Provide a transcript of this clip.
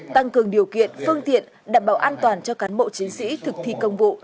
tăng cường điều kiện phương tiện đảm bảo an toàn cho cán bộ chiến sĩ thực thi công vụ